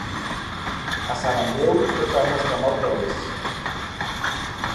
A Sant Andreu, tota mosca morta és.